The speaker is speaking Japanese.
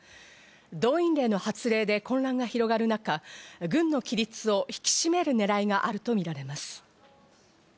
動員令の発令で混乱が広がる中、軍の規律を引き締めるねらいがあるとみられます。